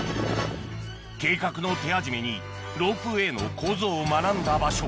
計画の手始めにロープウエーの構造を学んだ場所